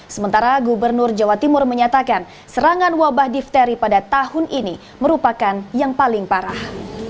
sementara gubernur jawa timur menyatakan serangan wabah difteri pada tahun ini merupakan yang paling parah